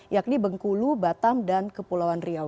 yakni bengkulu batam dan kepulauan riau